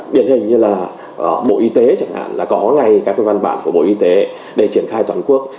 điển hình như là bộ y tế chẳng hạn là có ngay các văn bản của bộ y tế để triển khai toàn quốc